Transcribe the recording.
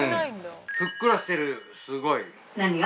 ふっくらしてるすごい。何が？